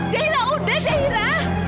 zaira udah zaira